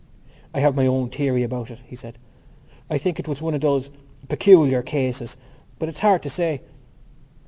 "I have my own theory about it," he said. "I think it was one of those ... peculiar cases.... But it's hard to say...."